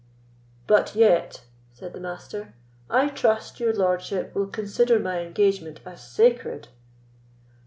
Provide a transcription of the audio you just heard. "But yet," said the Master, "I trust your lordship will consider my engagement as sacred."